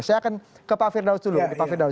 saya akan ke pak firdaus dulu